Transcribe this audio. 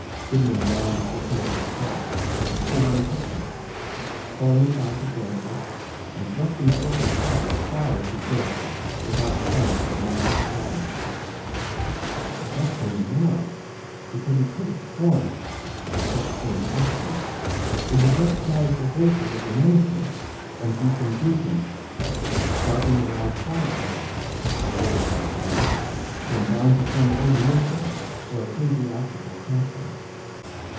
Goodman Brown alternately crouched and stood on tiptoe, pulling aside the branches and thrusting forth his head as far as he durst without discerning so much as a shadow. It vexed him the more, because he could have sworn, were such a thing possible, that he recognized the voices of the minister and Deacon Gookin, jogging along quietly, as they were wont to do, when bound to some ordination or ecclesiastical council.